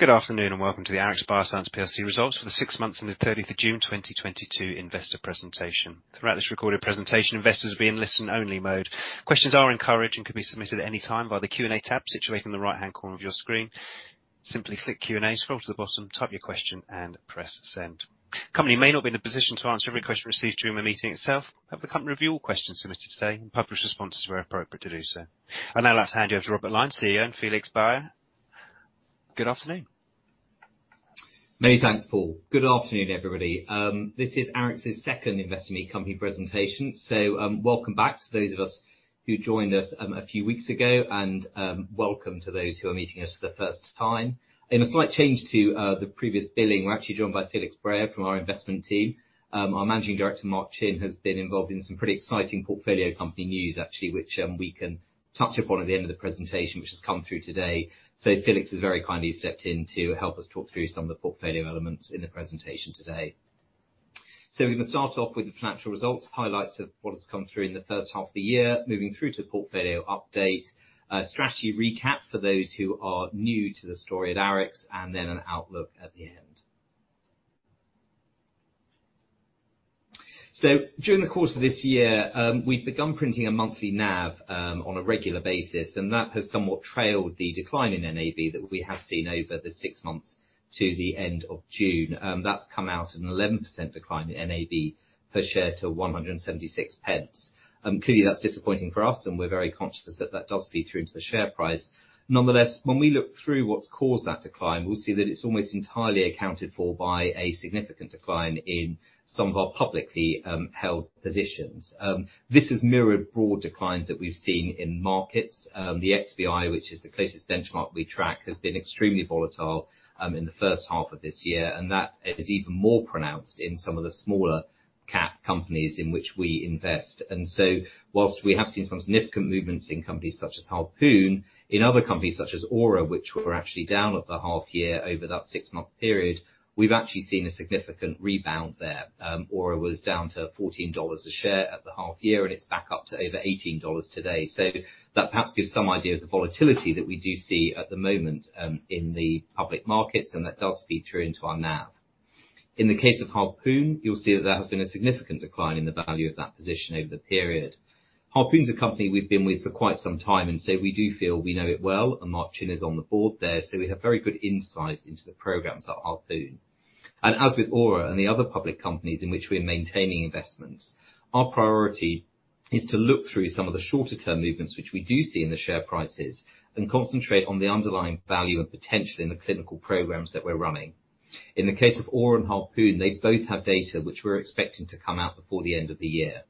Good afternoon and welcome to the Arix Bioscience plc results for the six months ended 30th June 2022 investor presentation. Throughout this recorded presentation, investors will be in listen-only mode. Questions are encouraged and can be submitted at any time by the Q&A tab situated in the right-hand corner of your screen. Simply click Q&A, scroll to the bottom, type your question, and press Send. The company may not be in a position to answer every question received during the meeting itself, but the company will review all questions submitted today and publish responses where appropriate to do so. I'd now like to hand you over to Robert Lyne, CEO, and Felix Breyer. Good afternoon. Many thanks, Paul. Good afternoon, everybody. This is Arix's second Investor Meet Company presentation. Welcome back to those of us who joined us a few weeks ago and welcome to those who are meeting us for the first time. In a slight change to the previous billing, we're actually joined by Felix Breyer from our investment team. Our managing director, Mark Chin, has been involved in some pretty exciting portfolio company news, actually, which we can touch upon at the end of the presentation, which has come through today. Felix has very kindly stepped in to help us talk through some of the portfolio elements in the presentation today. We can start off with the financial results, highlights of what has come through in the first half of the year, moving through to portfolio update, a strategy recap for those who are new to the story at Arix, and then an outlook at the end. During the course of this year, we've begun printing a monthly NAV on a regular basis, and that has somewhat trailed the decline in NAV that we have seen over the six months to the end of June. That's come out an 11% decline in NAV per share to 176 pence. Clearly that's disappointing for us, and we're very conscious that that does feed through into the share price. Nonetheless, when we look through what's caused that decline, we'll see that it's almost entirely accounted for by a significant decline in some of our publicly held positions. This has mirrored broad declines that we've seen in markets. The XBI, which is the closest benchmark we track, has been extremely volatile in the first half of this year, and that is even more pronounced in some of the smaller cap companies in which we invest. While we have seen some significant movements in companies such as Harpoon, in other companies such as Aura, which were actually down at the half year over that six-month period, we've actually seen a significant rebound there. Aura was down to $14 a share at the half year, and it's back up to over $18 today. That perhaps gives some idea of the volatility that we do see at the moment, in the public markets, and that does feed through into our NAV. In the case of Harpoon, you'll see that there has been a significant decline in the value of that position over the period. Harpoon's a company we've been with for quite some time, and so we do feel we know it well, and Mark Chin is on the board there. We have very good insight into the programs at Harpoon. As with Aura and the other public companies in which we're maintaining investments, our priority is to look through some of the shorter term movements, which we do see in the share prices, and concentrate on the underlying value and potential in the clinical programs that we're running. In the case of Aura and Harpoon, they both have data which we're expecting to come out before the end of the year.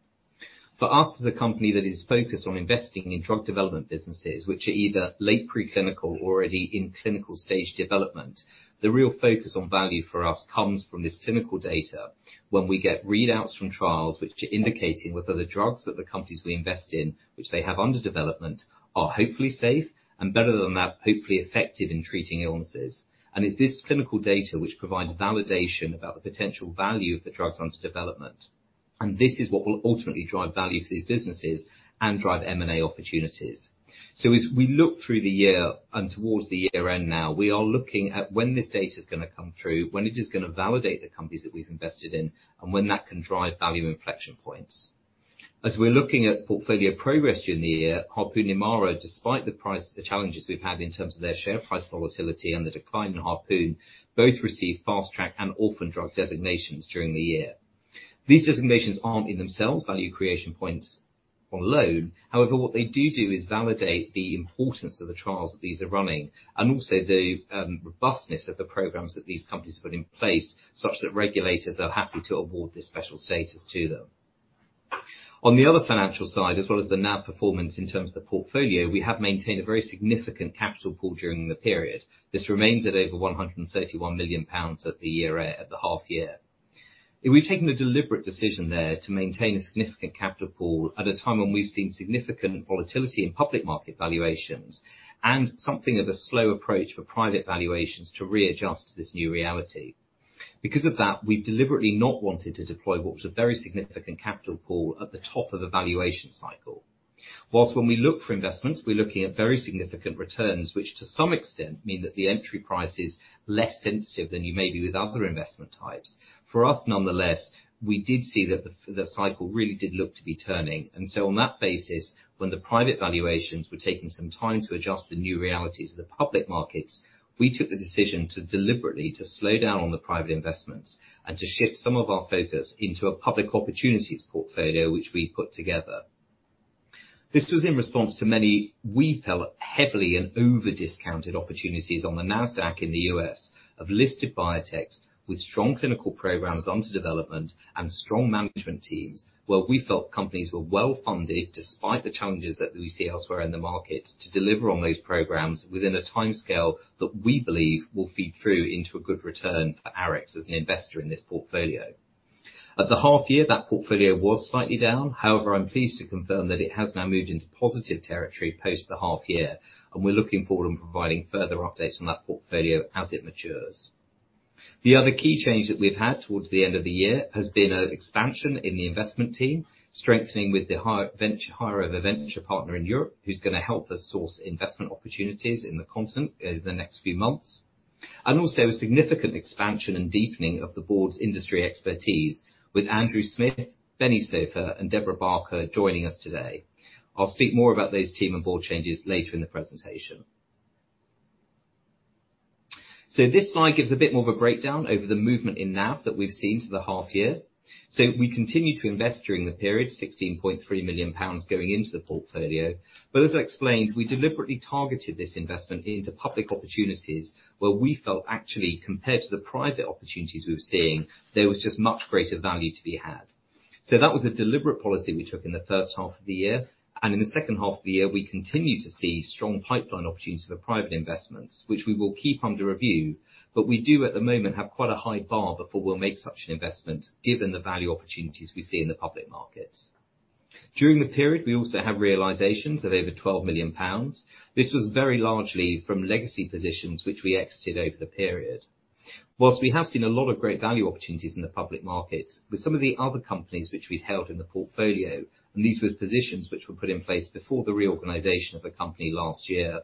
For us, as a company that is focused on investing in drug development businesses, which are either late pre-clinical or already in clinical stage development, the real focus on value for us comes from this clinical data. When we get readouts from trials which are indicating whether the drugs that the companies we invest in, which they have under development, are hopefully safe and better than that, hopefully effective in treating illnesses. It's this clinical data which provides validation about the potential value of the drugs under development. This is what will ultimately drive value for these businesses and drive M&A opportunities. As we look through the year and towards the year-end now, we are looking at when this data is gonna come through, when it is gonna validate the companies that we've invested in, and when that can drive value inflection points. As we're looking at portfolio progress during the year, Harpoon and Aura, despite the price, the challenges we've had in terms of their share price volatility and the decline in Harpoon, both received Fast Track and orphan drug designations during the year. These designations aren't in themselves value creation points alone. However, what they do is validate the importance of the trials that these are running and also the robustness of the programs that these companies put in place, such that regulators are happy to award this special status to them. On the other financial side, as well as the NAV performance in terms of the portfolio, we have maintained a very significant capital pool during the period. This remains at over 131 million pounds at the half year. We've taken a deliberate decision there to maintain a significant capital pool at a time when we've seen significant volatility in public market valuations and something of a slow approach for private valuations to readjust to this new reality. Because of that, we've deliberately not wanted to deploy what was a very significant capital pool at the top of a valuation cycle. Whilst when we look for investments, we're looking at very significant returns, which to some extent mean that the entry price is less sensitive than you may be with other investment types. For us, nonetheless, we did see that the cycle really did look to be turning, so on that basis, when the private valuations were taking some time to adjust to new realities of the public markets, we took the decision to deliberately slow down on the private investments and to shift some of our focus into a Public Opportunities Portfolio which we put together. This was in response to many, we felt, heavily over-discounted opportunities on the NASDAQ in the U.S. of listed biotechs with strong clinical programs and development and strong management teams. Where we felt companies were well-funded, despite the challenges that we see elsewhere in the market, to deliver on those programs within a timescale that we believe will feed through into a good return for Arix as an investor in this portfolio. At the half year, that portfolio was slightly down. However, I'm pleased to confirm that it has now moved into positive territory post the half year, and we're looking forward and providing further updates on that portfolio as it matures. The other key change that we've had towards the end of the year has been an expansion in the investment team, strengthening with the hire of a venture partner in Europe, who's gonna help us source investment opportunities in the continent over the next few months. Also a significant expansion and deepening of the board's industry expertise with Andrew Smith, Benny Soffer, and Debra Barker joining us today. I'll speak more about those team and board changes later in the presentation. This slide gives a bit more of a breakdown over the movement in NAV that we've seen to the half year. We continue to invest during the period, 16.3 million pounds going into the portfolio. As I explained, we deliberately targeted this investment into public opportunities where we felt actually, compared to the private opportunities we were seeing, there was just much greater value to be had. That was a deliberate policy we took in the first half of the year, and in the second half of the year, we continue to see strong pipeline opportunities for private investments, which we will keep under review. We do at the moment have quite a high bar before we'll make such an investment, given the value opportunities we see in the public markets. During the period, we also have realizations of over 12 million pounds. This was very largely from legacy positions, which we exited over the period. While we have seen a lot of great value opportunities in the public markets, with some of the other companies which we've held in the portfolio, and these were the positions which were put in place before the reorganization of the company last year.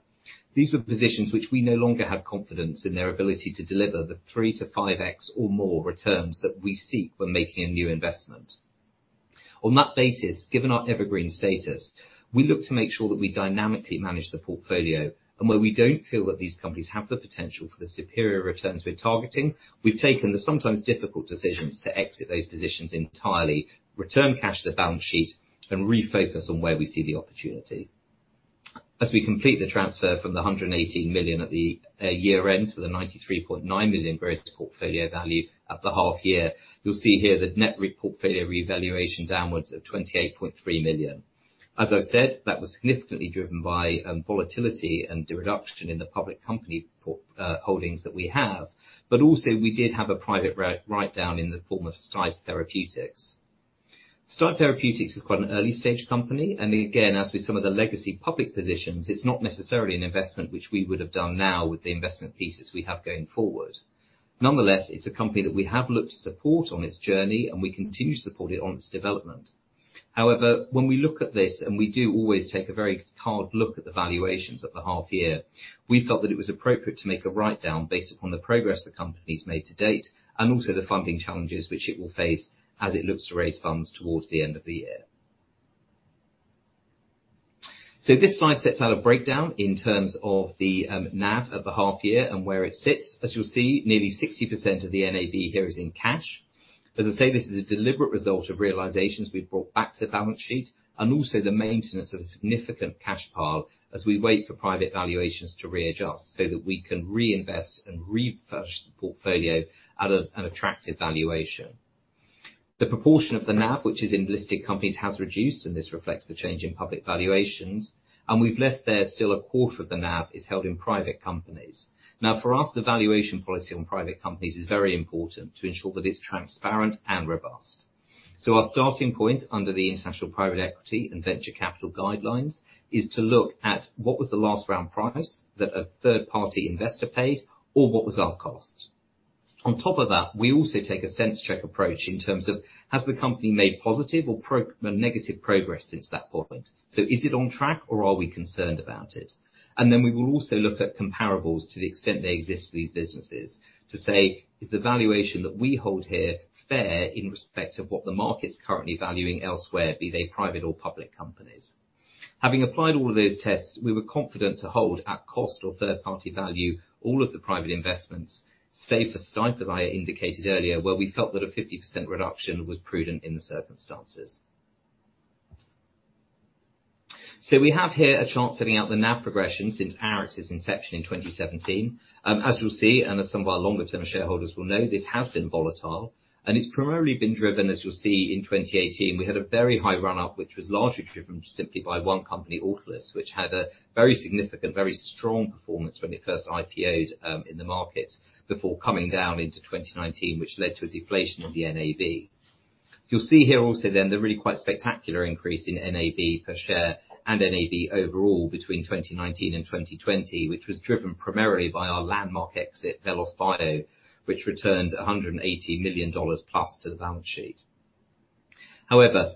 These were positions which we no longer had confidence in their ability to deliver the 3-5x or more returns that we seek when making a new investment. On that basis, given our evergreen status, we look to make sure that we dynamically manage the portfolio and where we don't feel that these companies have the potential for the superior returns we're targeting, we've taken the sometimes difficult decisions to exit those positions entirely, return cash to the balance sheet, and refocus on where we see the opportunity. As we complete the transfer from the 180 million at the year-end to the 93.9 million gross portfolio value at the half year, you'll see here the net portfolio revaluation downwards of 28.3 million. As I said, that was significantly driven by volatility and the reduction in the public company holdings that we have. Also we did have a private write down in the form of STipe Therapeutics. STipe Therapeutics is quite an early-stage company, and again, as with some of the legacy public positions, it's not necessarily an investment which we would have done now with the investment thesis we have going forward. Nonetheless, it's a company that we have looked to support on its journey, and we continue to support it on its development. However, when we look at this, and we do always take a very hard look at the valuations at the half year, we felt that it was appropriate to make a write-down based upon the progress the company's made to date and also the funding challenges which it will face as it looks to raise funds towards the end of the year. This slide sets out a breakdown in terms of the NAV at the half year and where it sits. As you'll see, nearly 60% of the NAV here is in cash. As I say, this is a deliberate result of realizations we've brought back to the balance sheet and also the maintenance of a significant cash pile as we wait for private valuations to readjust so that we can reinvest and refresh the portfolio at an attractive valuation. The proportion of the NAV, which is in listed companies, has reduced, and this reflects the change in public valuations. We've left there still a quarter of the NAV is held in private companies. Now, for us, the valuation policy on private companies is very important to ensure that it's transparent and robust. Our starting point under the International Private Equity and Venture Capital Valuation Guidelines is to look at what was the last round price that a third-party investor paid or what was our cost. On top of that, we also take a sense check approach in terms of has the company made positive or negative progress since that point. Is it on track, or are we concerned about it? We will also look at comparables to the extent they exist for these businesses to say, is the valuation that we hold here fair in respect of what the market's currently valuing elsewhere, be they private or public companies. Having applied all of those tests, we were confident to hold at cost or third-party value all of the private investments, save for STipe, as I indicated earlier, where we felt that a 50% reduction was prudent in the circumstances. We have here a chart setting out the NAV progression since Arix's inception in 2017. As you'll see, and as some of our longer-term shareholders will know, this has been volatile, and it's primarily been driven, as you'll see, in 2018, we had a very high run up, which was largely driven simply by one company, Autolus, which had a very significant, very strong performance when it first IPO'd in the market before coming down into 2019, which led to a deflation of the NAV. You'll see here also then the really quite spectacular increase in NAV per share and NAV overall between 2019 and 2020, which was driven primarily by our landmark exit, VelosBio, which returned $180 million plus to the balance sheet. However,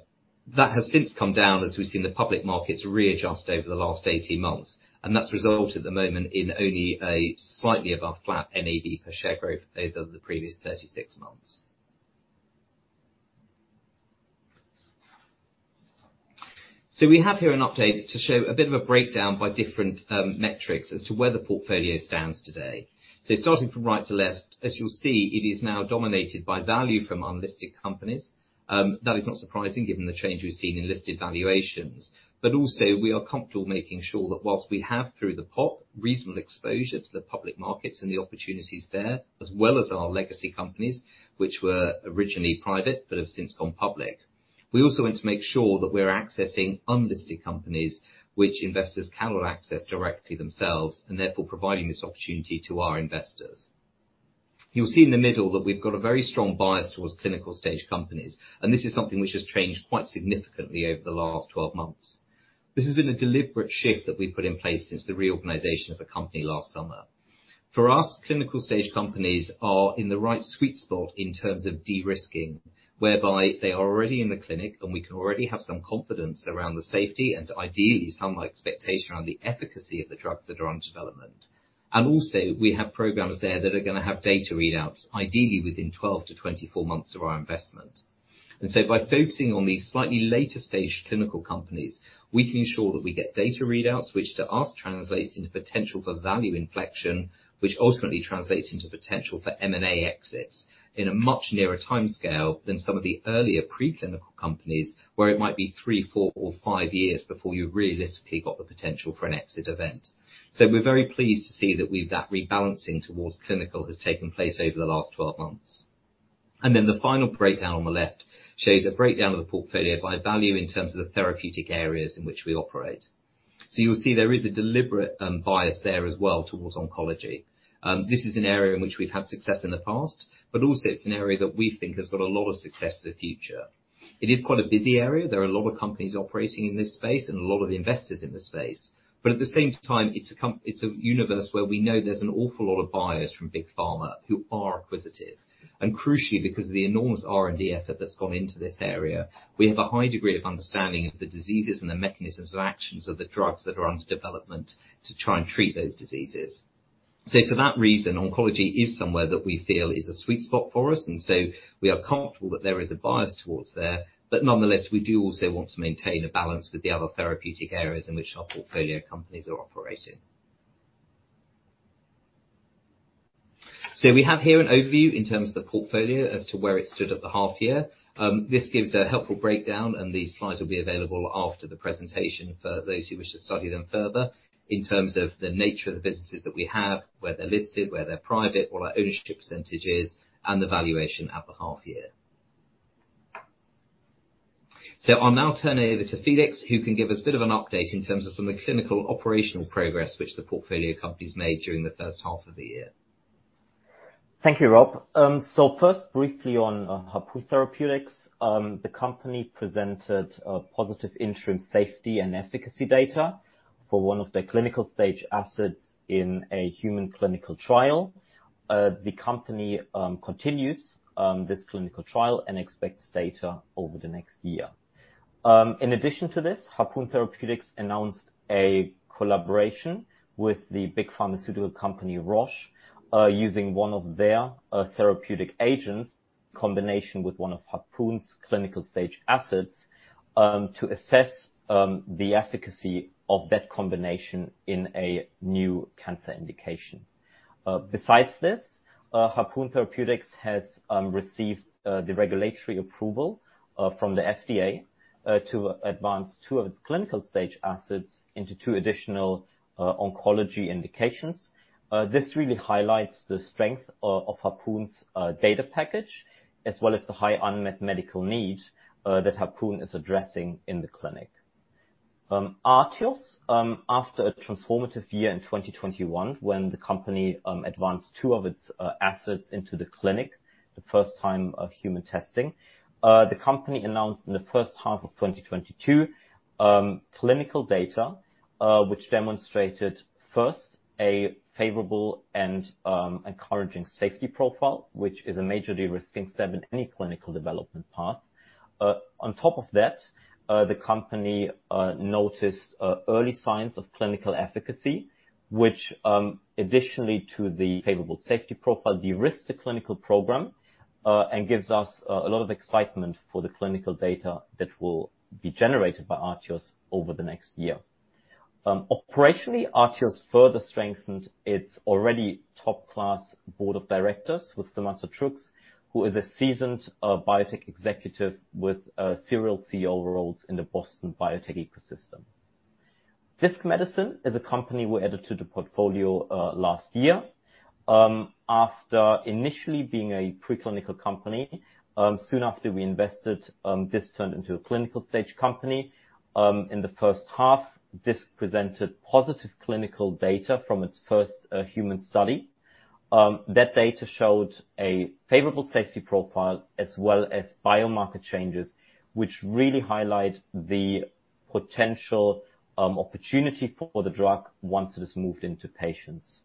that has since come down as we've seen the public markets readjust over the last 18 months, and that's resulted, at the moment, in only a slightly above flat NAV per share growth over the previous 36 months. We have here an update to show a bit of a breakdown by different metrics as to where the portfolio stands today. Starting from right to left, as you'll see, it is now dominated by value from unlisted companies. That is not surprising given the change we've seen in listed valuations. Also we are comfortable making sure that while we have, through the POP, reasonable exposure to the public markets and the opportunities there, as well as our legacy companies which were originally private but have since gone public. We also want to make sure that we're accessing unlisted companies which investors cannot access directly themselves and therefore providing this opportunity to our investors. You'll see in the middle that we've got a very strong bias towards clinical stage companies, and this is something which has changed quite significantly over the last 12 months. This has been a deliberate shift that we put in place since the reorganization of the company last summer. For us, clinical stage companies are in the right sweet spot in terms of de-risking, whereby they are already in the clinic and we can already have some confidence around the safety and ideally some expectation on the efficacy of the drugs that are under development. We have programs there that are gonna have data readouts, ideally within 12-24 months of our investment. By focusing on these slightly later stage clinical companies, we can ensure that we get data readouts, which to us translates into potential for value inflection, which ultimately translates into potential for M&A exits in a much nearer timescale than some of the earlier preclinical companies, where it might be three, four or five years before you realistically got the potential for an exit event. We're very pleased to see that the rebalancing towards clinical has taken place over the last 12 months. The final breakdown on the left shows a breakdown of the portfolio by value in terms of the therapeutic areas in which we operate. You will see there is a deliberate bias there as well towards oncology. This is an area in which we've had success in the past, but also it's an area that we think has got a lot of success in the future. It is quite a busy area. There are a lot of companies operating in this space and a lot of investors in this space. At the same time, it's a universe where we know there's an awful lot of buyers from Big Pharma who are acquisitive. Crucially, because of the enormous R&D effort that's gone into this area, we have a high degree of understanding of the diseases and the mechanisms of actions of the drugs that are under development to try and treat those diseases. For that reason, oncology is somewhere that we feel is a sweet spot for us, and so we are comfortable that there is a bias towards there. Nonetheless, we do also want to maintain a balance with the other therapeutic areas in which our portfolio companies are operating. We have here an overview in terms of the portfolio as to where it stood at the half year. This gives a helpful breakdown, and the slides will be available after the presentation for those who wish to study them further in terms of the nature of the businesses that we have, where they're listed, where they're private, what our ownership percentage is, and the valuation at the half year. I'll now turn it over to Felix, who can give us a bit of an update in terms of some of the clinical operational progress which the portfolio company's made during the first half of the year. Thank you, Rob. First, briefly on Harpoon Therapeutics. The company presented positive interim safety and efficacy data for one of their clinical-stage assets in a human clinical trial. The company continues this clinical trial and expects data over the next year. In addition to this, Harpoon Therapeutics announced a collaboration with the big pharmaceutical company, Roche, using one of their therapeutic agents combination with one of Harpoon's clinical-stage assets to assess the efficacy of that combination in a new cancer indication. Besides this, Harpoon Therapeutics has received the regulatory approval from the FDA to advance two of its clinical-stage assets into two additional oncology indications. This really highlights the strength of Harpoon's data package as well as the high unmet medical need that Harpoon is addressing in the clinic. Artios, after a transformative year in 2021 when the company advanced two of its assets into the clinic, first-in-human testing. The company announced in the first half of 2022 clinical data, which demonstrated first a favorable and encouraging safety profile, which is a major de-risking step in any clinical development path. On top of that, the company noted early signs of clinical efficacy, which, additionally to the favorable safety profile, de-risks the clinical program and gives us a lot of excitement for the clinical data that will be generated by Artios over the next year. Operationally, Artios further strengthened its already top class board of directors with Samantha Truex, who is a seasoned, biotech executive with serial CEO roles in the Boston biotech ecosystem. Disc Medicine is a company we added to the portfolio last year. After initially being a preclinical company, soon after we invested, Disc turned into a clinical stage company. In the first half, Disc presented positive clinical data from its first human study. That data showed a favorable safety profile as well as biomarker changes which really highlight the potential opportunity for the drug once it is moved into patients.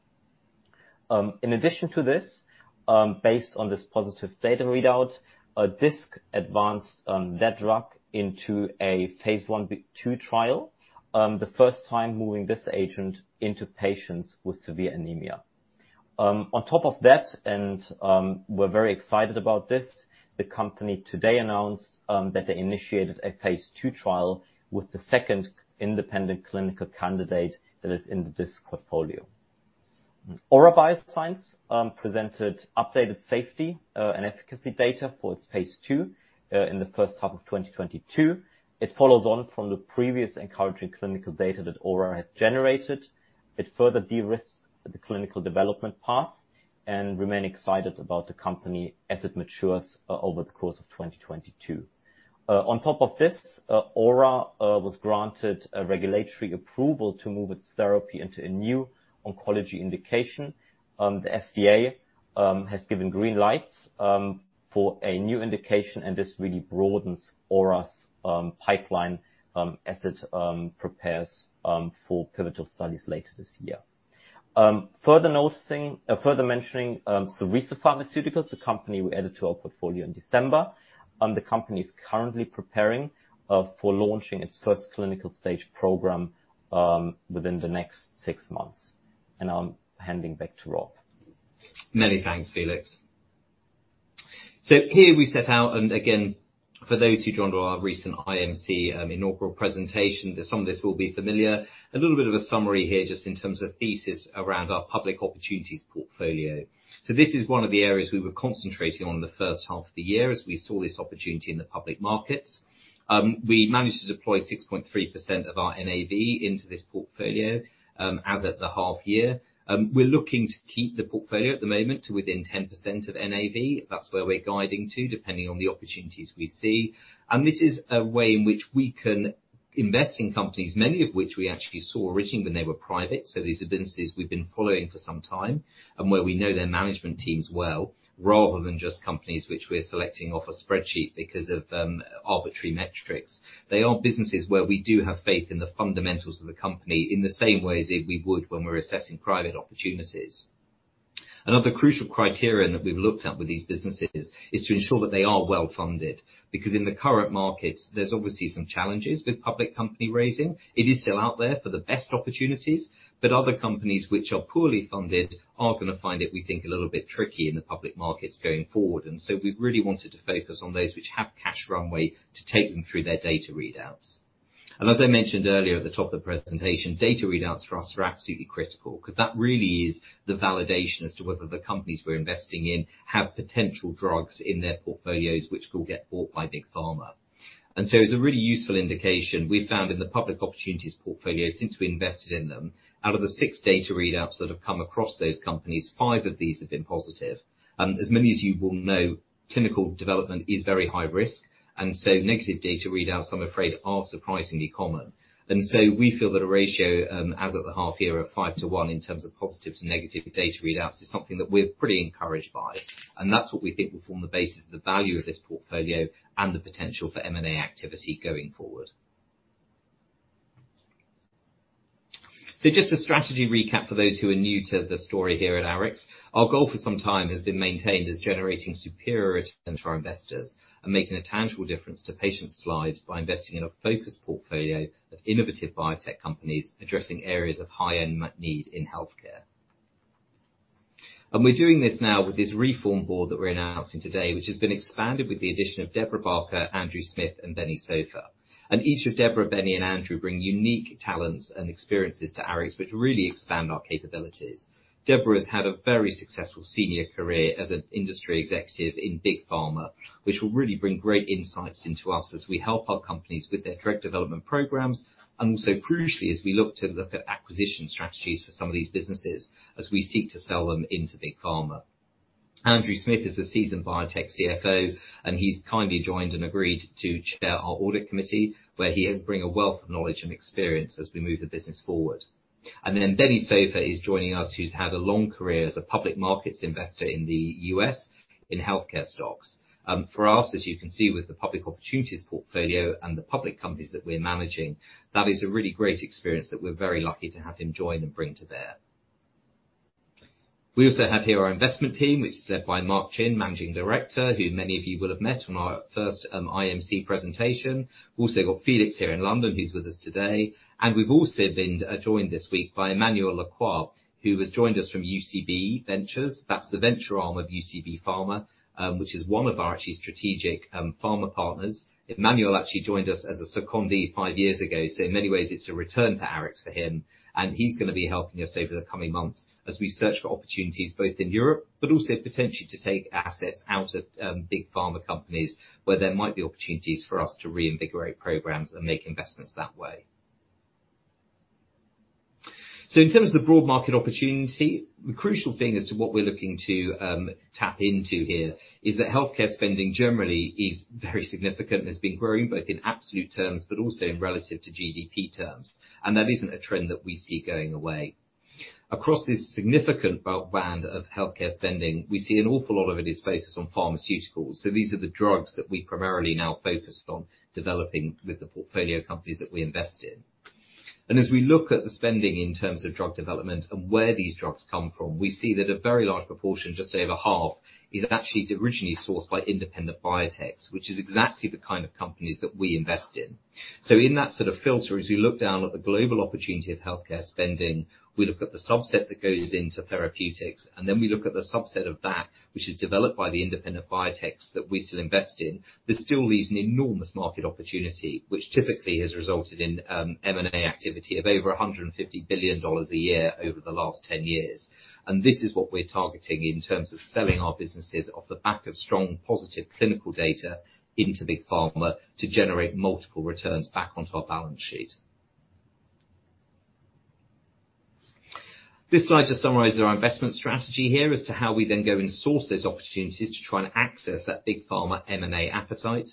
In addition to this, based on this positive data readout, Disc advanced that drug into a phase 1b-2 trial, the first time moving this agent into patients with severe anemia. On top of that, we're very excited about this. The company today announced that they initiated a phase II trial with the second independent clinical candidate that is in the Disc Medicine portfolio. Aura Bioscience presented updated safety and efficacy data for its phase II in the first half of 2022. It follows on from the previous encouraging clinical data that Aura has generated. It further de-risks the clinical development path. We remain excited about the company as it matures over the course of 2022. On top of this, Aura was granted a regulatory approval to move its therapy into a new oncology indication. The FDA has given green lights for a new indication, and this really broadens Aura's pipeline as it prepares for pivotal studies later this year. Further mentioning Serca Pharmaceuticals, a company we added to our portfolio in December. The company is currently preparing for launching its first clinical-stage program within the next six months. I'm handing back to Rob. Many thanks, Felix. Here we set out, and again, for those who joined our recent IMC, inaugural presentation, that some of this will be familiar. A little bit of a summary here just in terms of thesis around our Public Opportunities Portfolio. This is one of the areas we were concentrating on in the first half of the year as we saw this opportunity in the public markets. We managed to deploy 6.3% of our NAV into this portfolio, as at the half year. We're looking to keep the portfolio at the moment to within 10% of NAV. That's where we're guiding to, depending on the opportunities we see. This is a way in which we can invest in companies, many of which we actually saw originally when they were private. These are businesses we've been following for some time, and where we know their management teams well, rather than just companies which we're selecting off a spreadsheet because of arbitrary metrics. They are businesses where we do have faith in the fundamentals of the company in the same way as we would when we're assessing private opportunities. Another crucial criterion that we've looked at with these businesses is to ensure that they are well-funded, because in the current markets, there's obviously some challenges with public company raising. It is still out there for the best opportunities, but other companies which are poorly funded are gonna find it, we think, a little bit tricky in the public markets going forward. We've really wanted to focus on those which have cash runway to take them through their data readouts. As I mentioned earlier at the top of the presentation, data readouts for us are absolutely critical because that really is the validation as to whether the companies we're investing in have potential drugs in their portfolios which will get bought by Big Pharma. It's a really useful indication. We found in the Public Opportunities Portfolio, since we invested in them, out of the six data readouts that have come across those companies, five of these have been positive. As many of you will know, clinical development is very high risk, and so negative data readouts, I'm afraid, are surprisingly common. We feel that a ratio, as at the half year of five to one in terms of positive to negative data readouts is something that we're pretty encouraged by. That's what we think will form the basis of the value of this portfolio and the potential for M&A activity going forward. Just a strategy recap for those who are new to the story here at Arix. Our goal for some time has been maintained as generating superior returns for our investors and making a tangible difference to patients' lives by investing in a focused portfolio of innovative biotech companies addressing areas of high unmet need in healthcare. We're doing this now with this reformed board that we're announcing today, which has been expanded with the addition of Debra Barker, Andrew Smith, and Benny Soffer. Each of Debra, Benny, and Andrew bring unique talents and experiences to Arix which really expand our capabilities. Deborah has had a very successful senior career as an industry executive in Big Pharma, which will really bring great insights into us as we help our companies with their drug development programs, and also crucially, as we look at acquisition strategies for some of these businesses as we seek to sell them into Big Pharma. Andrew Smith is a seasoned biotech CFO, and he's kindly joined and agreed to chair our audit committee, where he'll bring a wealth of knowledge and experience as we move the business forward. Benny Soffer is joining us, who's had a long career as a public markets investor in the U.S. in healthcare stocks. For us, as you can see with the Public Opportunities Portfolio and the public companies that we're managing, that is a really great experience that we're very lucky to have him join and bring to bear. We also have here our investment team, which is led by Mark Chin, Managing Director, who many of you will have met on our first IMC presentation. We've also got Felix here in London, who's with us today. We've also been joined this week by Emmanuel Lacroix, who has joined us from UCB Ventures. That's the venture arm of UCB Pharma, which is one of our actually strategic pharma partners. Emmanuel actually joined us as a secondee five years ago, so in many ways, it's a return to Arix for him, and he's gonna be helping us over the coming months as we search for opportunities both in Europe, but also potentially to take assets out of big pharma companies where there might be opportunities for us to reinvigorate programs and make investments that way. In terms of the broad market opportunity, the crucial thing as to what we're looking to tap into here is that healthcare spending generally is very significant and has been growing both in absolute terms, but also in relative to GDP terms. That isn't a trend that we see going away. Across this significant band of healthcare spending, we see an awful lot of it is focused on pharmaceuticals. These are the drugs that we primarily now focus on developing with the portfolio companies that we invest in. As we look at the spending in terms of drug development and where these drugs come from, we see that a very large proportion, just say over half, is actually originally sourced by independent biotechs, which is exactly the kind of companies that we invest in. In that sort of filter, as we look down at the global opportunity of healthcare spending, we look at the subset that goes into therapeutics, and then we look at the subset of that which is developed by the independent biotechs that we still invest in. This still leaves an enormous market opportunity, which typically has resulted in M&A activity of over $150 billion a year over the last 10 years. This is what we're targeting in terms of selling our businesses off the back of strong, positive clinical data into Big Pharma to generate multiple returns back onto our balance sheet. This slide just summarizes our investment strategy here as to how we then go and source those opportunities to try and access that Big Pharma M&A appetite.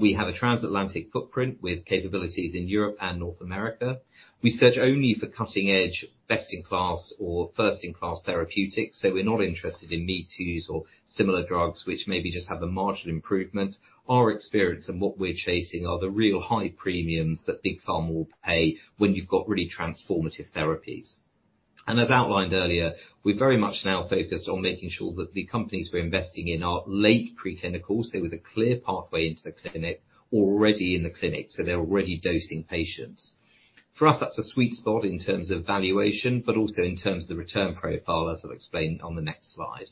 We have a transatlantic footprint with capabilities in Europe and North America. We search only for cutting edge, best in class or first in class therapeutics. We're not interested in me toos or similar drugs, which maybe just have a marginal improvement. Our experience and what we're chasing are the real high premiums that Big Pharma will pay when you've got really transformative therapies. As outlined earlier, we're very much now focused on making sure that the companies we're investing in are late pre-clinical, so with a clear pathway into the clinic, already in the clinic, so they're already dosing patients. For us, that's a sweet spot in terms of valuation, but also in terms of the return profile, as I'll explain on the next slide.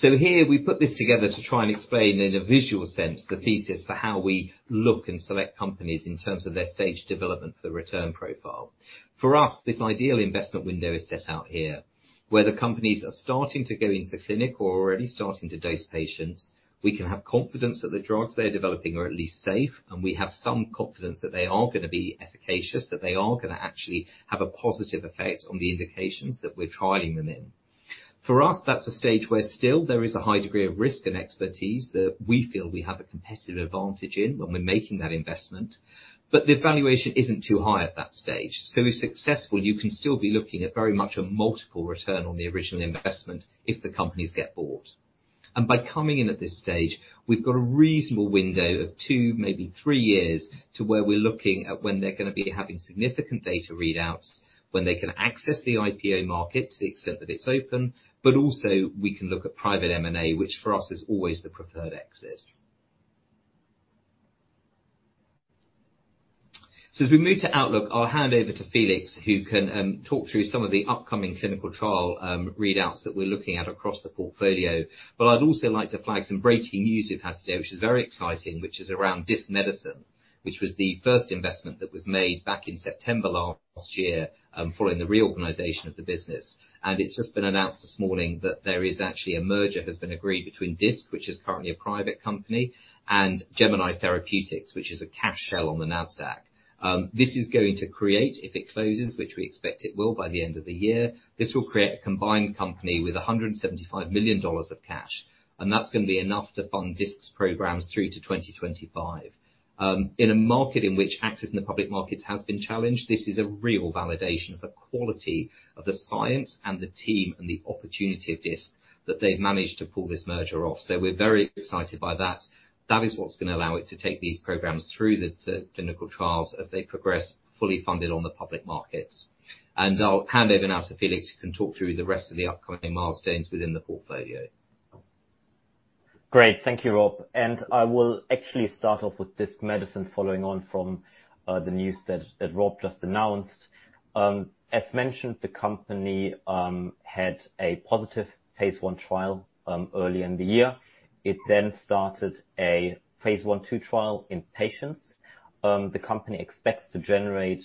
Here we put this together to try and explain in a visual sense, the thesis for how we look and select companies in terms of their stage development for the return profile. For us, this ideal investment window is set out here, where the companies are starting to go into clinic or already starting to dose patients. We can have confidence that the drugs they're developing are at least safe, and we have some confidence that they are gonna be efficacious, that they are gonna actually have a positive effect on the indications that we're trialing them in. For us, that's a stage where still there is a high degree of risk and expertise that we feel we have a competitive advantage in when we're making that investment. The valuation isn't too high at that stage. If successful, you can still be looking at very much a multiple return on the original investment if the companies get bought. By coming in at this stage, we've got a reasonable window of two, maybe three years to where we're looking at when they're gonna be having significant data readouts, when they can access the IPO market to the extent that it's open, but also we can look at private M&A, which for us is always the preferred exit. As we move to outlook, I'll hand over to Felix, who can talk through some of the upcoming clinical trial readouts that we're looking at across the portfolio. I'd also like to flag some breaking news we've had today, which is very exciting, which is around Disc Medicine, which was the first investment that was made back in September last year, following the reorganization of the business. It's just been announced this morning that actually a merger has been agreed between Disc Medicine, which is currently a private company, and Gemini Therapeutics, which is a cash shell on the Nasdaq. This is going to create, if it closes, which we expect it will by the end of the year, this will create a combined company with $175 million of cash, and that's gonna be enough to fund Disc Medicine's programs through to 2025. In a market in which access in the public markets has been challenged, this is a real validation of the quality of the science and the team and the opportunity of Disc Medicine that they've managed to pull this merger off. We're very excited by that. That is what's gonna allow it to take these programs through to clinical trials as they progress, fully funded on the public markets. I'll hand over now to Felix, who can talk through the rest of the upcoming milestones within the portfolio. Great. Thank you, Rob. I will actually start off with Disc Medicine following on from the news that Rob just announced. As mentioned, the company had a positive phase I trial early in the year. It then started a phase I/II trial in patients. The company expects to generate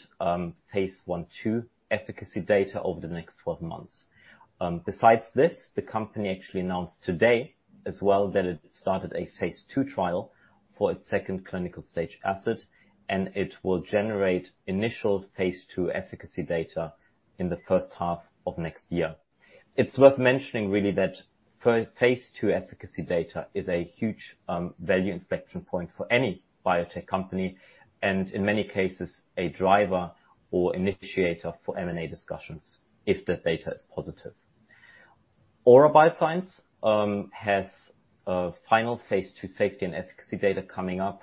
phase I/II efficacy data over the next 12 months. Besides this, the company actually announced today as well that it started a phase II trial for its second clinical stage asset, and it will generate initial phase II efficacy data in the first half of next year. It's worth mentioning really that phase II efficacy data is a huge value inflection point for any biotech company, and in many cases, a driver or initiator for M&A discussions if the data is positive. Aura Bioscience has final phase II safety and efficacy data coming up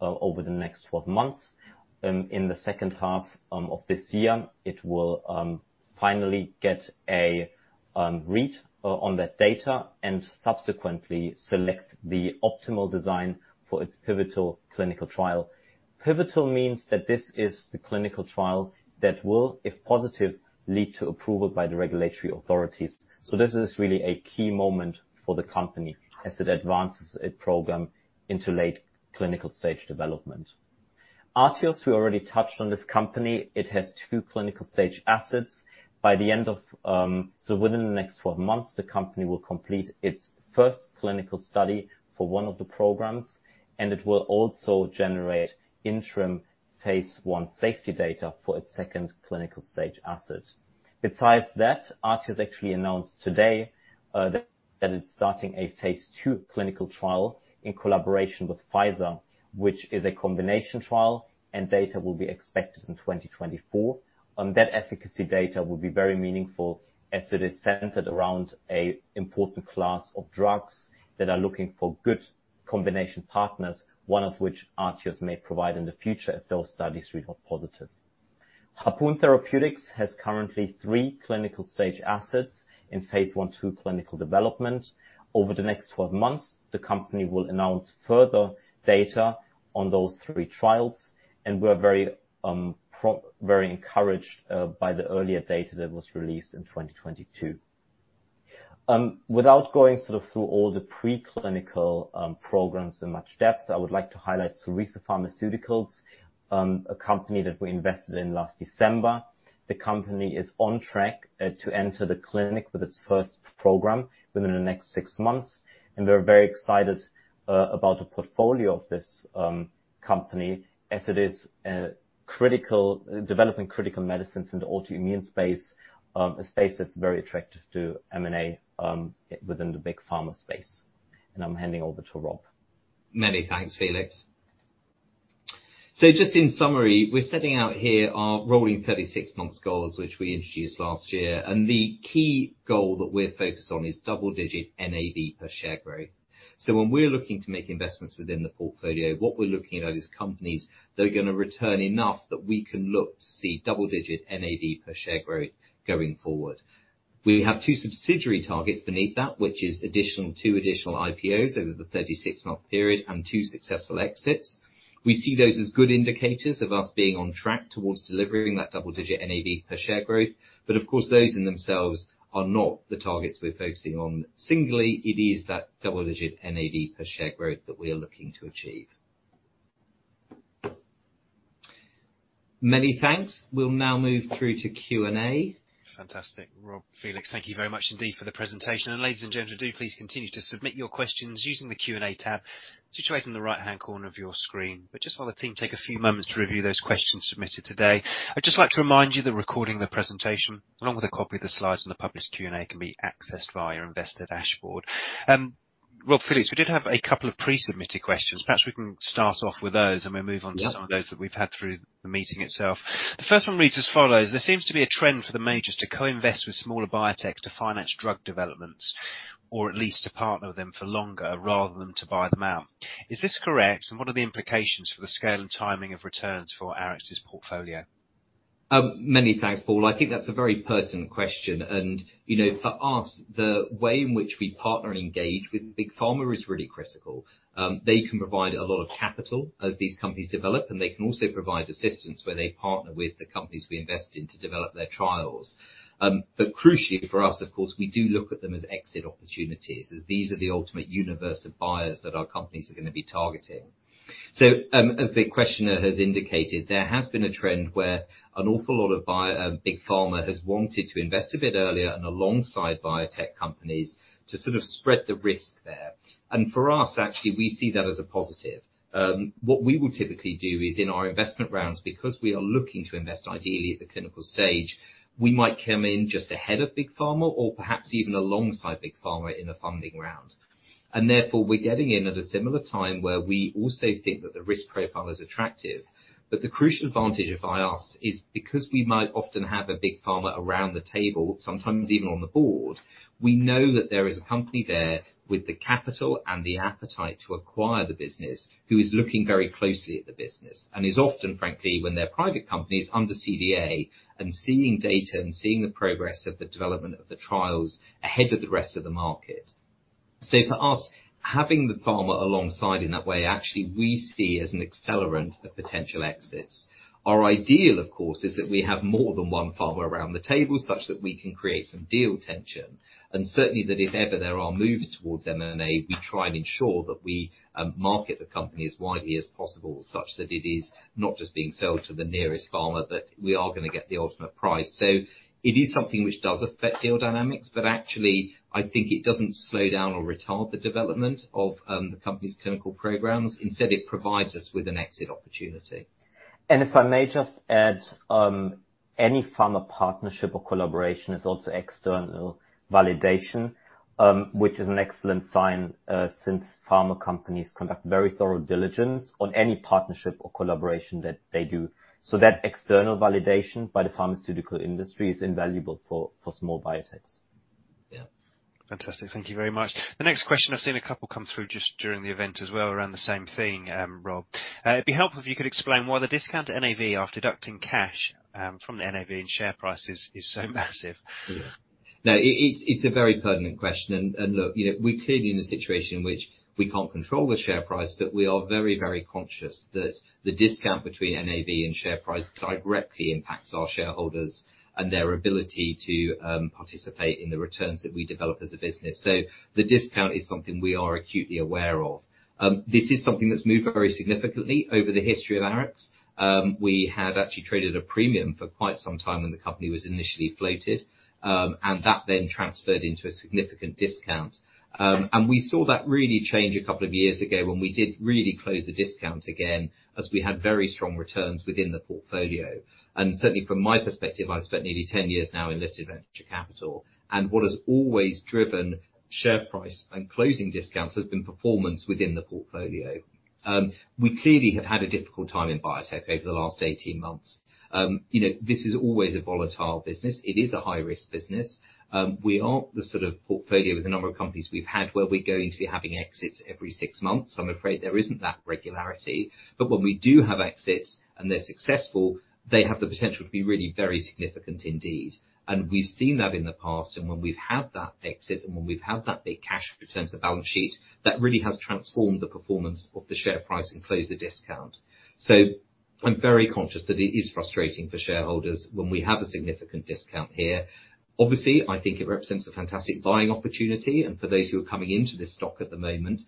over the next 12 months. In the second half of this year, it will finally get a readout on that data and subsequently select the optimal design for its pivotal clinical trial. Pivotal means that this is the clinical trial that will, if positive, lead to approval by the regulatory authorities. This is really a key moment for the company as it advances its program into late clinical stage development. Artios, we already touched on this company. It has two clinical stage assets. Within the next 12 months, the company will complete its first clinical study for one of the programs, and it will also generate interim phase I safety data for its second clinical stage asset. Besides that, Artios actually announced today that it's starting a phase II clinical trial in collaboration with Pfizer, which is a combination trial and data will be expected in 2024. That efficacy data will be very meaningful as it is centered around an important class of drugs that are looking for good combination partners, one of which Artios may provide in the future if those studies read out positive. Harpoon Therapeutics has currently three clinical-stage assets in phase I/II clinical development. Over the next 12 months, the company will announce further data on those three trials, and we're very encouraged by the earlier data that was released in 2022. Without going sort of through all the preclinical programs in much depth, I would like to highlight Serca Pharmaceuticals, a company that we invested in last December. The company is on track to enter the clinic with its first program within the next six months, and we're very excited about the portfolio of this company as it is, developing critical medicines in the autoimmune space, a space that's very attractive to M&A within the big pharma space. I'm handing over to Rob. Many thanks, Felix. Just in summary, we're setting out here our rolling 36 months goals, which we introduced last year. The key goal that we're focused on is double-digit NAV per share growth. When we're looking to make investments within the portfolio, what we're looking at is companies that are gonna return enough that we can look to see double-digit NAV per share growth going forward. We have two subsidiary targets beneath that, which is additional, two additional IPOs over the 36-month period and two successful exits. We see those as good indicators of us being on track towards delivering that double-digit NAV per share growth. Of course, those in themselves are not the targets we're focusing on. Singularly, it is that double-digit NAV per share growth that we are looking to achieve. Many thanks. We'll now move through to Q&A. Fantastic. Rob, Felix, thank you very much indeed for the presentation. Ladies and gentlemen, do please continue to submit your questions using the Q&A tab situated in the right-hand corner of your screen. Just while the team take a few moments to review those questions submitted today, I'd just like to remind you that recording the presentation along with a copy of the slides and the published Q&A can be accessed via your investor dashboard. Rob, Felix, we did have a couple of pre-submitted questions. Perhaps we can start off with those, and we move on. Yeah. To some of those that we've had through the meeting itself. The first one reads as follows: There seems to be a trend for the majors to co-invest with smaller biotech to finance drug developments, or at least to partner with them for longer rather than to buy them out. Is this correct? And what are the implications for the scale and timing of returns for Arix's portfolio? Many thanks, Paul. I think that's a very pertinent question. You know, for us, the way in which we partner and engage with big pharma is really critical. They can provide a lot of capital as these companies develop, and they can also provide assistance where they partner with the companies we invest in to develop their trials. Crucially for us, of course, we do look at them as exit opportunities, as these are the ultimate universe of buyers that our companies are gonna be targeting. As the questioner has indicated, there has been a trend where an awful lot of big pharma has wanted to invest a bit earlier and alongside biotech companies to sort of spread the risk there. For us, actually, we see that as a positive. What we will typically do is in our investment rounds, because we are looking to invest ideally at the clinical stage, we might come in just ahead of big pharma or perhaps even alongside big pharma in a funding round. Therefore, we're getting in at a similar time where we also think that the risk profile is attractive. The crucial advantage of us is because we might often have a big pharma around the table, sometimes even on the board, we know that there is a company there with the capital and the appetite to acquire the business who is looking very closely at the business, and is often, frankly, when they're private companies, under CDA and seeing data and seeing the progress of the development of the trials ahead of the rest of the market. For us, having the pharma alongside in that way, actually, we see as an accelerant of potential exits. Our ideal, of course, is that we have more than one pharma around the table such that we can create some deal tension, and certainly that if ever there are moves towards M&A, we try and ensure that we market the company as widely as possible such that it is not just being sold to the nearest pharma, but we are gonna get the ultimate price. It is something which does affect deal dynamics, but actually I think it doesn't slow down or retard the development of the company's clinical programs. Instead, it provides us with an exit opportunity. If I may just add, any pharma partnership or collaboration is also external validation, which is an excellent sign, since pharma companies conduct very thorough diligence on any partnership or collaboration that they do. That external validation by the pharmaceutical industry is invaluable for small biotechs. Yeah. Fantastic. Thank you very much. The next question, I've seen a couple come through just during the event as well around the same thing, Rob. It'd be helpful if you could explain why the discount to NAV after deducting cash from the NAV and share prices is so massive. Yeah. Now, it's a very pertinent question. Look, you know, we're clearly in a situation in which we can't control the share price, but we are very, very conscious that the discount between NAV and share price directly impacts our shareholders and their ability to participate in the returns that we develop as a business. The discount is something we are acutely aware of. This is something that's moved very significantly over the history of Arix. We had actually traded a premium for quite some time when the company was initially floated, and that then transferred into a significant discount. We saw that really change a couple of years ago when we did really close the discount again, as we had very strong returns within the portfolio. Certainly from my perspective, I've spent nearly 10 years now in listed venture capital, and what has always driven share price and closing discounts has been performance within the portfolio. We clearly have had a difficult time in biotech over the last 18 months. You know, this is always a volatile business. It is a high-risk business. We aren't the sort of portfolio with the number of companies we've had where we're going to be having exits every six months. I'm afraid there isn't that regularity. But when we do have exits and they're successful, they have the potential to be really very significant indeed. We've seen that in the past, and when we've had that exit and when we've had that big cash return to the balance sheet, that really has transformed the performance of the share price and closed the discount. I'm very conscious that it is frustrating for shareholders when we have a significant discount here. Obviously, I think it represents a fantastic buying opportunity, and for those who are coming into this stock at the moment.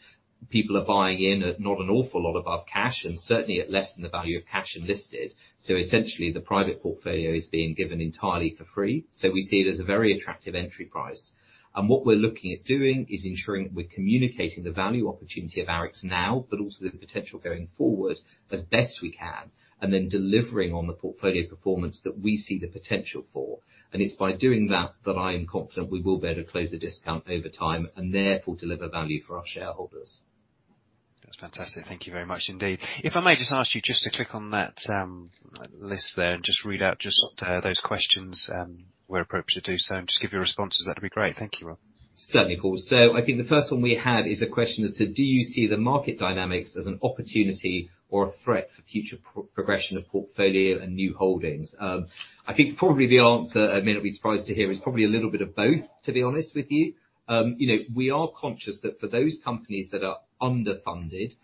People are buying in at not an awful lot above cash, and certainly at less than the value of cash and listed. Essentially, the private portfolio is being given entirely for free. We see it as a very attractive entry price. What we're looking at doing is ensuring we're communicating the value opportunity of Arix now, but also the potential going forward as best we can, and then delivering on the portfolio performance that we see the potential for. It's by doing that I am confident we will be able to close the discount over time and therefore deliver value for our shareholders. That's fantastic. Thank you very much indeed. If I may just ask you to click on that list there and just read out those questions, where appropriate to do so, and just give your responses, that'd be great. Thank you. Certainly, Paul. I think the first one we had is a question that said: Do you see the market dynamics as an opportunity or a threat for future progression of portfolio and new holdings? I think probably the answer, I mean, I'd be surprised to hear, is probably a little bit of both, to be honest with you. You know, we are conscious that for those companies that are underfunded,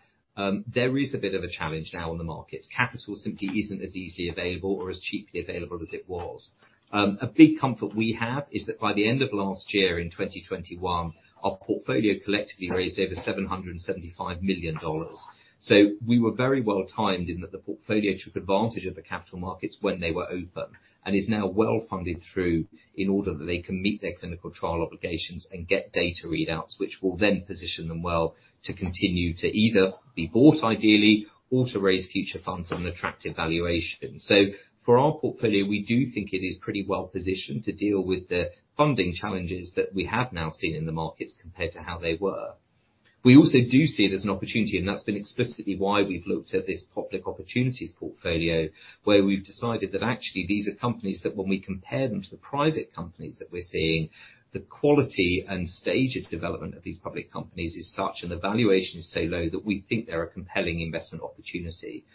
there is a bit of a challenge now in the markets. Capital simply isn't as easily available or as cheaply available as it was. A big comfort we have is that by the end of last year in 2021, our portfolio collectively raised over $775 million. We were very well-timed in that the portfolio took advantage of the capital markets when they were open and is now well-funded through 2024 in order that they can meet their clinical trial obligations and get data readouts, which will then position them well to continue to either be bought, ideally, or to raise future funds on an attractive valuation. For our portfolio, we do think it is pretty well-positioned to deal with the funding challenges that we have now seen in the markets compared to how they were. We also do see it as an opportunity, and that's been explicitly why we've looked at this Public Opportunities Portfolio, where we've decided that actually these are companies that when we compare them to the private companies that we're seeing, the quality and stage of development of these public companies is such and the valuation is so low that we think they're a compelling investment opportunity.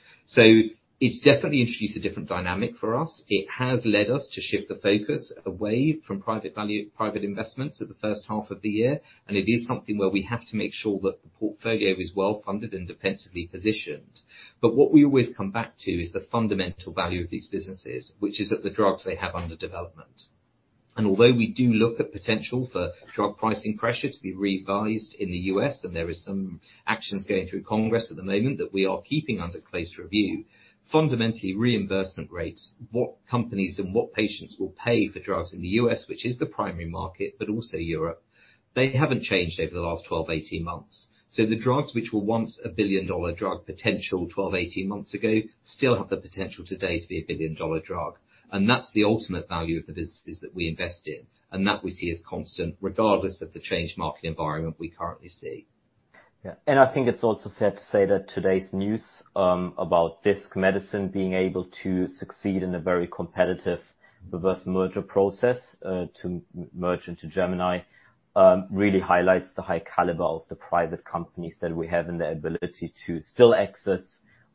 It's definitely introduced a different dynamic for us. It has led us to shift the focus away from private investments at the first half of the year. It is something where we have to make sure that the portfolio is well-funded and defensively positioned. What we always come back to is the fundamental value of these businesses, which is that the drugs they have under development. Although we do look at potential for drug pricing pressure to be revised in the U.S., and there is some actions going through Congress at the moment that we are keeping under close review, fundamentally, reimbursement rates, what companies and what patients will pay for drugs in the U.S., which is the primary market, but also Europe, they haven't changed over the last 12, 18 months. The drugs which were once a billion-dollar drug potential 12, 18 months ago, still have the potential today to be a billion-dollar drug. That's the ultimate value of the businesses that we invest in. That we see as constant, regardless of the changed market environment we currently see. Yeah. I think it's also fair to say that today's news about this medicine being able to succeed in a very competitive reverse merger process to merge into Gemini really highlights the high caliber of the private companies that we have and their ability to still access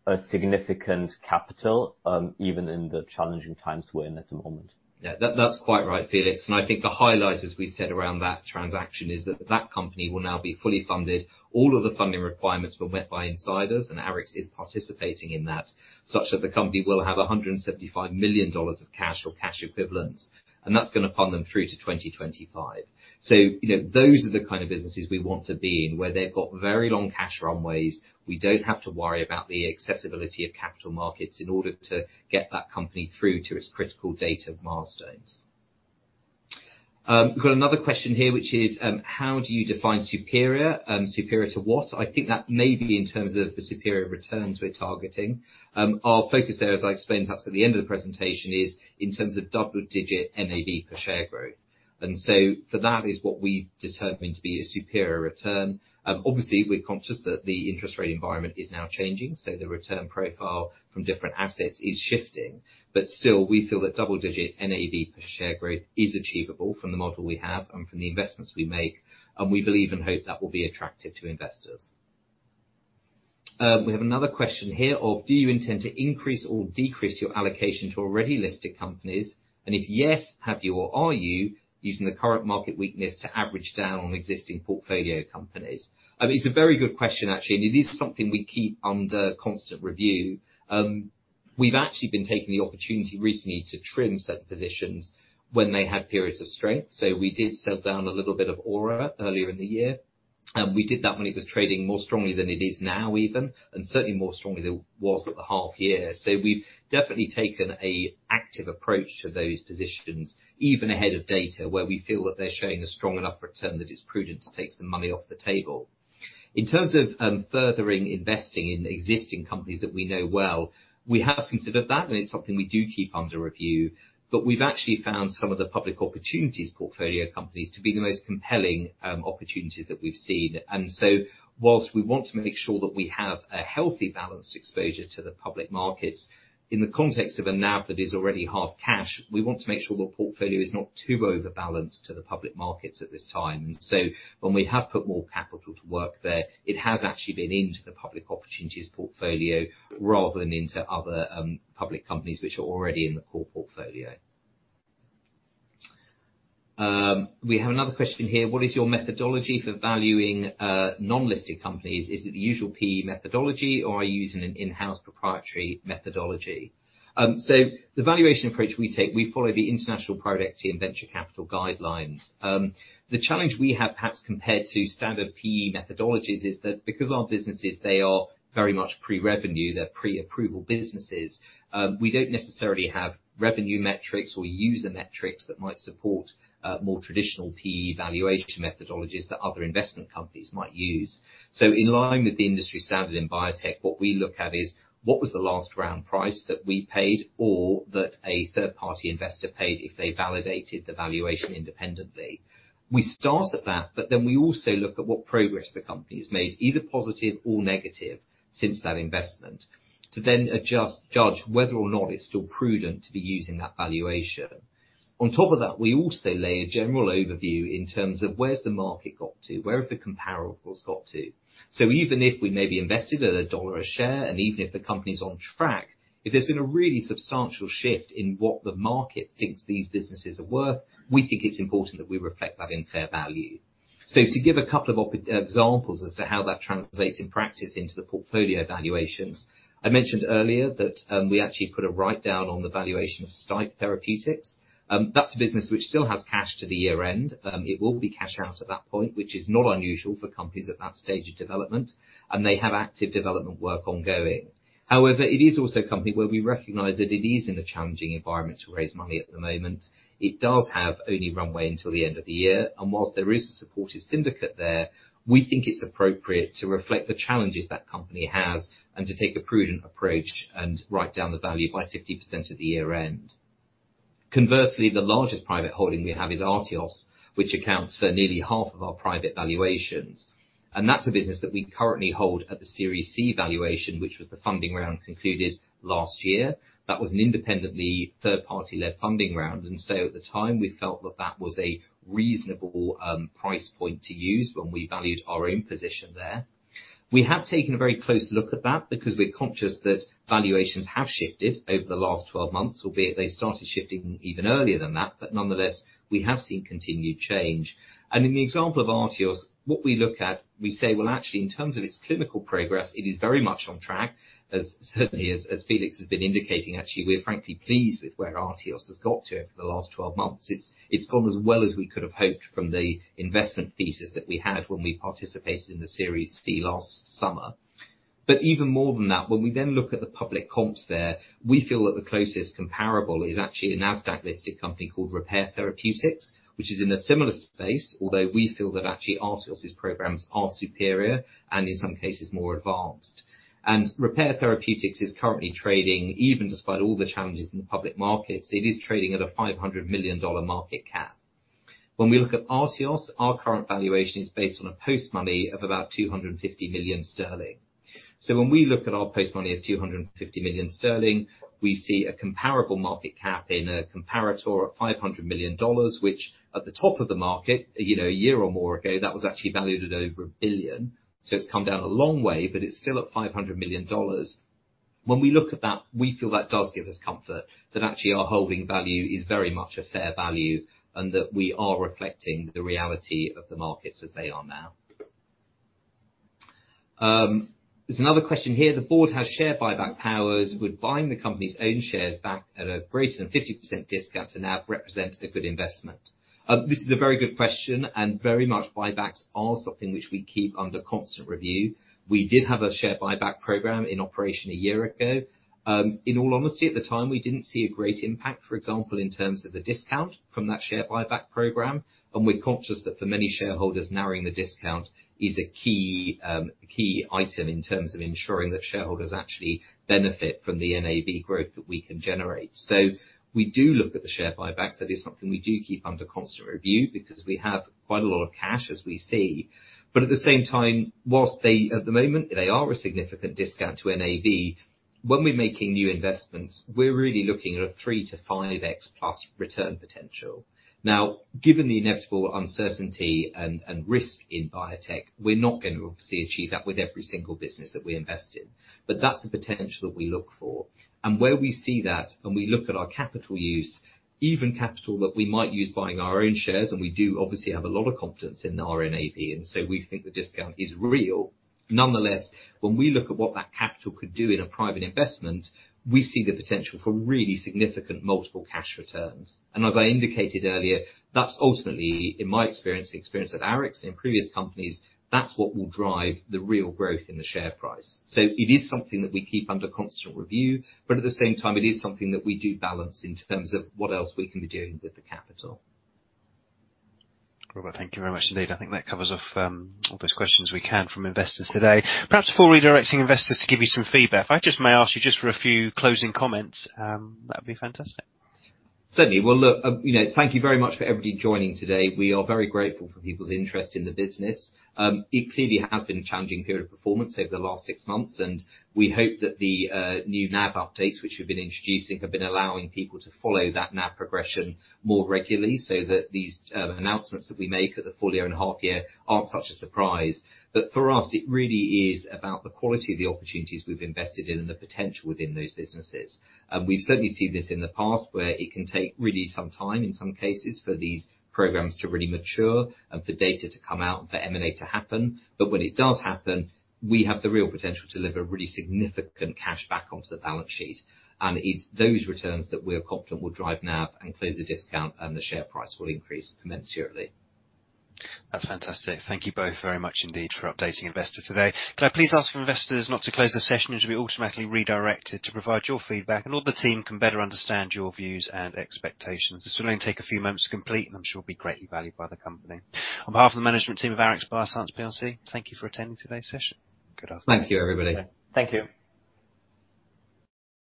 a significant capital even in the challenging times we're in at the moment. Yeah. That's quite right, Felix. I think the highlight, as we said, around that transaction is that that company will now be fully funded. All of the funding requirements were met by insiders, and Arix is participating in that, such that the company will have $175 million of cash or cash equivalents, and that's gonna fund them through to 2025. You know, those are the kind of businesses we want to be in, where they've got very long cash runways. We don't have to worry about the accessibility of capital markets in order to get that company through to its critical data milestones. We've got another question here which is, how do you define superior to what? I think that may be in terms of the superior returns we're targeting. Our focus there, as I explained perhaps at the end of the presentation, is in terms of double-digit NAV per share growth. For that is what we determine to be a superior return. Obviously, we're conscious that the interest rate environment is now changing. The return profile from different assets is shifting. Still, we feel that double-digit NAV per share growth is achievable from the model we have and from the investments we make, and we believe and hope that will be attractive to investors. We have another question here of, do you intend to increase or decrease your allocation to already listed companies? If yes, have you or are you using the current market weakness to average down on existing portfolio companies? It's a very good question actually, and it is something we keep under constant review. We've actually been taking the opportunity recently to trim certain positions when they had periods of strength. We did sell down a little bit of Aura earlier in the year, and we did that when it was trading more strongly than it is now even, and certainly more strongly than it was at the half year. We've definitely taken an active approach to those positions, even ahead of data where we feel that they're showing a strong enough return that is prudent to take some money off the table. In terms of furthering investing in existing companies that we know well, we have considered that, and it's something we do keep under review. We've actually found some of the Public Opportunities Portfolio companies to be the most compelling opportunities that we've seen. While we want to make sure that we have a healthy balanced exposure to the public markets, in the context of a NAV that is already half cash, we want to make sure the portfolio is not too overbalanced to the public markets at this time. When we have put more capital to work there, it has actually been into the Public Opportunities Portfolio rather than into other public companies which are already in the core portfolio. We have another question here. What is your methodology for valuing non-listed companies? Is it the usual PE methodology, or are you using an in-house proprietary methodology? The valuation approach we take, we follow the International Private Equity and Venture Capital Guidelines. The challenge we have perhaps compared to standard PE methodologies is that because our businesses, they are very much pre-revenue, they're pre-approval businesses, we don't necessarily have revenue metrics or user metrics that might support, more traditional PE valuation methodologies that other investment companies might use. In line with the industry standard in biotech, what we look at is what was the last round price that we paid or that a third-party investor paid if they validated the valuation independently. We start at that, but then we also look at what progress the company's made, either positive or negative since that investment, to then judge whether or not it's still prudent to be using that valuation. On top of that, we also lay a general overview in terms of where's the market got to, where have the comparables got to. Even if we maybe invested at $1 a share, and even if the company's on track, if there's been a really substantial shift in what the market thinks these businesses are worth, we think it's important that we reflect that in fair value. To give a couple of examples as to how that translates in practice into the portfolio valuations, I mentioned earlier that we actually put a write-down on the valuation of STipe Therapeutics. That's a business which still has cash to the year-end. It will be cashed out at that point, which is not unusual for companies at that stage of development, and they have active development work ongoing. However, it is also a company where we recognize that it is in a challenging environment to raise money at the moment. It does have only runway until the end of the year, and while there is a supportive syndicate there, we think it's appropriate to reflect the challenges that company has and to take a prudent approach and write down the value by 50% at the year-end. Conversely, the largest private holding we have is Artios, which accounts for nearly half of our private valuations. That's a business that we currently hold at the Series C valuation, which was the funding round concluded last year. That was an independent third-party-led funding round, and so at the time, we felt that that was a reasonable, price point to use when we valued our own position there. We have taken a very close look at that because we're conscious that valuations have shifted over the last 12 months, albeit they started shifting even earlier than that. Nonetheless, we have seen continued change. In the example of Artios, what we look at, we say, "Well, actually, in terms of its clinical progress, it is very much on track," as Felix has been indicating, actually, we're frankly pleased with where Artios has got to over the last 12 months. It's gone as well as we could have hoped from the investment thesis that we had when we participated in the Series C last summer. Even more than that, when we then look at the public comps there, we feel that the closest comparable is actually a NASDAQ-listed company called Repare Therapeutics, which is in a similar space, although we feel that actually Artios' programs are superior and in some cases more advanced. Repare Therapeutics is currently trading, even despite all the challenges in the public markets, it is trading at a $500 million market cap. When we look at Artios, our current valuation is based on a post-money of about 250 million sterling. When we look at our post-money of 250 million sterling, we see a comparable market cap in a comparator at $500 million, which at the top of the market, you know, a year or more ago, that was actually valued at over $1 billion. It's come down a long way, but it's still at $500 million. When we look at that, we feel that does give us comfort that actually our holding value is very much a fair value and that we are reflecting the reality of the markets as they are now. There's another question here. The board has share buyback powers. Would buying the company's own shares back at a greater than 50% discount to NAV represent a good investment? This is a very good question, and very much buybacks are something which we keep under constant review. We did have a share buyback program in operation a year ago. In all honesty, at the time, we didn't see a great impact, for example, in terms of the discount from that share buyback program. We're conscious that for many shareholders, narrowing the discount is a key key item in terms of ensuring that shareholders actually benefit from the NAV growth that we can generate. We do look at the share buybacks. That is something we do keep under constant review because we have quite a lot of cash as we see. At the same time, while at the moment they are a significant discount to NAV, when we're making new investments, we're really looking at a 3-5x plus return potential. Now, given the inevitable uncertainty and risk in biotech, we're not going to obviously achieve that with every single business that we invest in. That's the potential that we look for. Where we see that, and we look at our capital use, even capital that we might use buying our own shares, and we do obviously have a lot of confidence in our NAV, and so we think the discount is real. Nonetheless, when we look at what that capital could do in a private investment, we see the potential for really significant multiple cash returns. As I indicated earlier, that's ultimately, in my experience, the experience of Arix in previous companies, that's what will drive the real growth in the share price. It is something that we keep under constant review, but at the same time it is something that we do balance in terms of what else we can be doing with the capital. Robert, thank you very much indeed. I think that covers off all those questions we can from investors today. Perhaps before redirecting investors to give you some feedback, if I just may ask you just for a few closing comments, that'd be fantastic. Certainly. Well, look, you know, thank you very much for everybody joining today. We are very grateful for people's interest in the business. It clearly has been a challenging period of performance over the last six months, and we hope that the new NAV updates which we've been introducing have been allowing people to follow that NAV progression more regularly so that these announcements that we make at the full year and half year aren't such a surprise. For us, it really is about the quality of the opportunities we've invested in and the potential within those businesses. We've certainly seen this in the past, where it can take really some time, in some cases, for these programs to really mature and for data to come out, for M&A to happen. when it does happen, we have the real potential to deliver really significant cash back onto the balance sheet. It's those returns that we're confident will drive NAV and close the discount, and the share price will increase commensurately. That's fantastic. Thank you both very much indeed for updating investors today. Could I please ask investors not to close the session? You should be automatically redirected to provide your feedback and all the team can better understand your views and expectations. This will only take a few moments to complete and I'm sure will be greatly valued by the company. On behalf of the management team of Arix Bioscience plc, thank you for attending today's session. Good afternoon. Thank you, everybody. Thank you.